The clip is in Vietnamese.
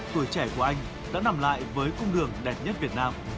tuổi trẻ của anh đã nằm lại với cung đường đẹp nhất việt nam